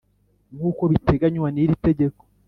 nk uko biteganywa n iri tegeko